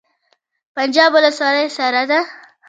پنجاب ولسوالۍ سړه ده؟